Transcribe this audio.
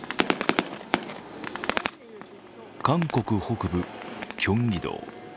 韓国北部・キョンギド。